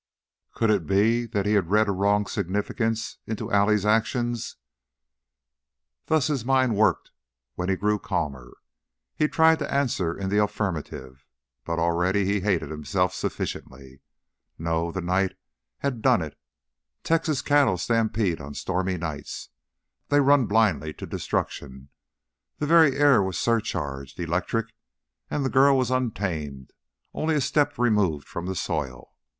Could it be that he had read a wrong significance into Allie's actions? Thus his mind worked when he grew calmer. He tried to answer in the affirmative, but already he hated himself sufficiently. No, the night had done it. Texas cattle stampede on stormy nights. They run blindly to destruction. The very air was surcharged, electric, and the girl was untamed, only a step removed from the soil.